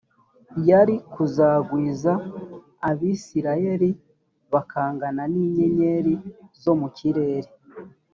yari kuzagwiza abisirayeli bakangana n inyenyeri zo mu kirere